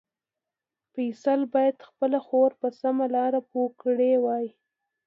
فیصل باید خپله خور په سمه لاره پوه کړې وای.